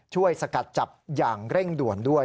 สกัดจับอย่างเร่งด่วนด้วย